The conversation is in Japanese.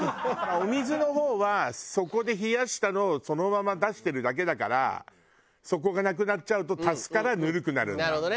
お水の方はそこで冷やしたのをそのまま出してるだけだからそこがなくなっちゃうと足すからぬるくなるんだ。